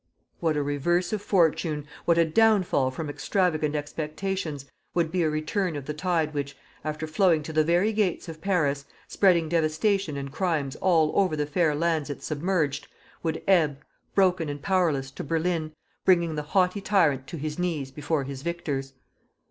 What a reverse of fortune, what a downfall from extravagant expectations, would be a return of the tide which, after flowing to the very gates of Paris, spreading devastation and crimes all over the fair lands it submerged, would ebb, broken and powerless, to Berlin, bringing the haughty tyrant to his knees before his victors!